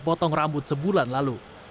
potong rambut sebulan lalu